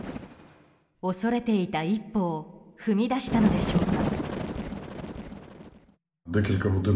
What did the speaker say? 恐れていた一歩を踏み出したのでしょうか。